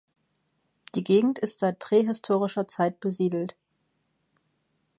Die Gegend ist seit prähistorischer Zeit besiedelt.